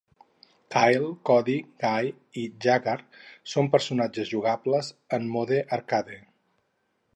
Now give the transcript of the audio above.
Kyle, Cody, Guy i Haggar són personatges jugables en mode arcade.